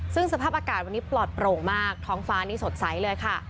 ซึ่งสภาพอากาศวันนี้ปลอดโปร่งมากท้องฟ้านี่สดใสเลยค่ะ